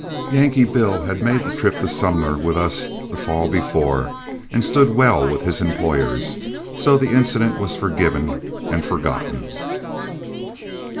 Yankee Bill had made the trip to Sumner with us the fall before, and stood well with his employers, so the incident was forgiven and forgotten.